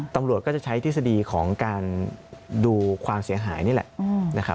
ตำรวจก็จะใช้ทฤษฎีของการดูความเสียหายนี่แหละนะครับ